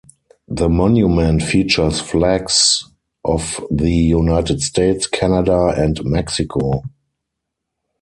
The monument features flags of the United States, Canada, and Mexico.